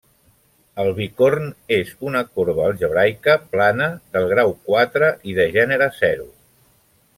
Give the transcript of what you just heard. El bicorn és una corba algebraica plana del grau quatre i de gènere zero.